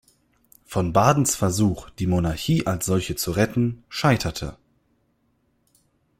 Von Badens Versuch, die Monarchie als solche zu retten, scheiterte.